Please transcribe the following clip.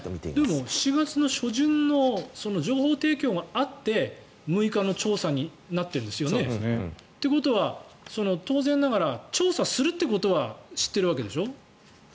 でも７月の初旬の情報提供があって６日の調査になっているんですよね。ということは、当然ながら調査するっていうことは知っているわけでしょ。